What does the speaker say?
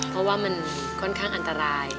เพราะว่ามันค่อนข้างอันตราย